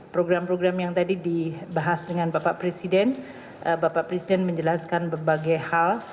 program program yang tadi dibahas dengan bapak presiden bapak presiden menjelaskan berbagai hal